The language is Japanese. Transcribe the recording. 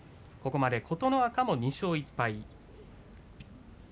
ここまで琴ノ若も２勝１敗。